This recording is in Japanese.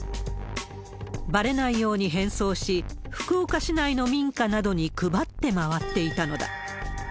ばれないように変装し、福岡市内の民家などに配って回っていたのだ。